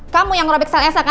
kamu yang ngerobek shell elsa kan